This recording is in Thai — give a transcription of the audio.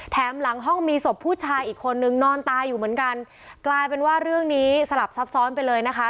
หลังห้องมีศพผู้ชายอีกคนนึงนอนตายอยู่เหมือนกันกลายเป็นว่าเรื่องนี้สลับซับซ้อนไปเลยนะคะ